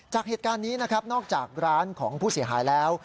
จากเหตุการณ์นี้นะครับนอกจากร้านของผู้เสียหายแล้ว